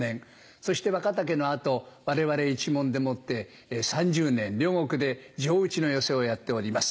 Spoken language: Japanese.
そして若竹の後我々一門でもって３０年両国で常打ちの寄席をやっております。